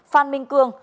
phan minh cương